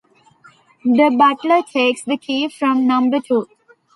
The Butler takes the key from Number Two.